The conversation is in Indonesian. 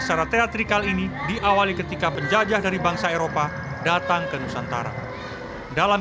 secara teatrikal ini diawali ketika penjajah dari bangsa eropa datang ke nusantara dalam